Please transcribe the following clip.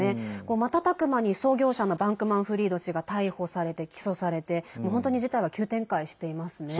瞬く間に創業者のバンクマンフリード氏が逮捕されて、起訴されて本当に事態は急展開していますね。